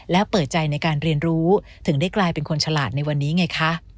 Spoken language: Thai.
และเปิดใจในการเรียนรู้ถึงได้กลายเป็นคนฉลาดในวันนี้ไงคะ